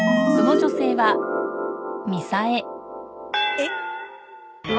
えっ？